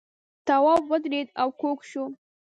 تواب ودرېد او کوږ شو.